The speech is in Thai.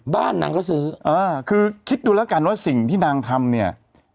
บ้านนางก็ซื้อเออคือคิดดูแล้วกันว่าสิ่งที่นางทำเนี่ย